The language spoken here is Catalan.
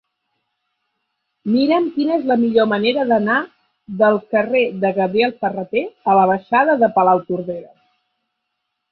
Mira'm quina és la millor manera d'anar del carrer de Gabriel Ferrater a la baixada de Palautordera.